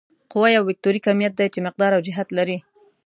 قوه یو وکتوري کمیت دی چې مقدار او جهت لري.